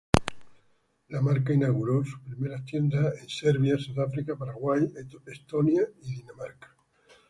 La marca inauguró sus primeras tiendas en Serbia, Sudáfrica, Paraguay, Estonia y Dinamarca.